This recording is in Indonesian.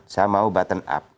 saya mau button up